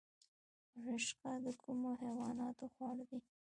رشقه د کومو حیواناتو خواړه دي؟